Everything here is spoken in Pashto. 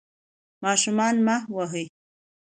ماشومان مه وهئ.